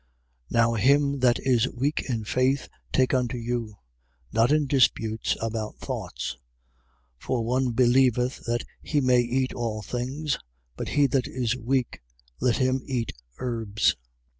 14:1. Now him that is weak in faith, take unto you: not in disputes about thoughts. 14:2. For one believeth that he may eat all things: but he that is weak, let him eat herbs.